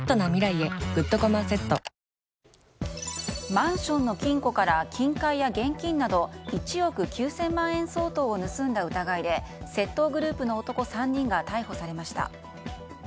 マンションの金庫から金塊や現金など１億９０００万円相当を盗んだ疑いで窃盗グループの男３人が逮捕されました。